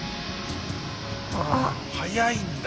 早いんだ。